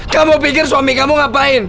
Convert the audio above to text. kamu pikir suami kamu ngapain